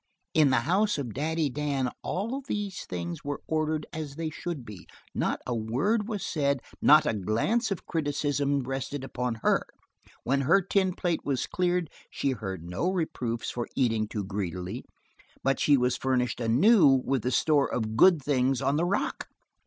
In the house of Daddy Dan all these things were ordered as they should be. Not a word was said; not a glance of criticism rested upon her; when her tin plate was cleared she heard no reproofs for eating too greedily, but she was furnished anew from the store of good things on the rock.